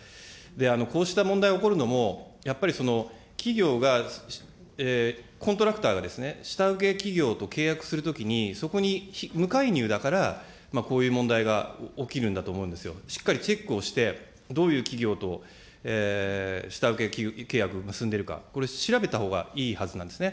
こうした問題が起こるのもやっぱり企業が、コントラクターが、下請け企業と契約するときに、そこに無介入だから、こういう問題が起きるんだと思うんですよ、しっかりチェックをして、どういう企業と下請け契約を結んでいるか、これ、調べたほうがいいはずなんですね。